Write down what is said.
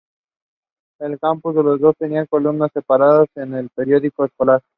En el campus, los dos tenían columnas separadas en el periódico escolar.